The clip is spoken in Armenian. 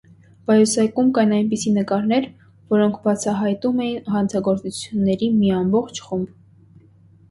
Պայուսակում կային այնպիսի նկարներ, որոնք բացահայտում էին հանցագործների մի ամբողջ խումբ։